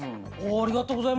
「ありがとうございます。